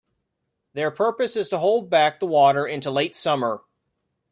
Their purpose is to hold back the water into late summer.